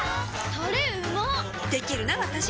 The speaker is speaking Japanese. タレうまっできるなわたし！